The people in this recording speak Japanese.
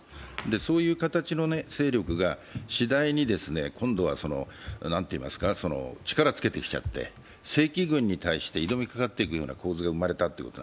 そういう形の勢力がしだいに今度は力つけてきちゃって、正規軍に対して挑みかかっていくような構図が生まれた。